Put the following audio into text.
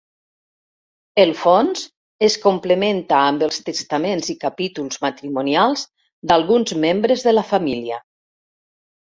El fons es complementa amb els testaments i capítols matrimonials d'alguns membres de la família.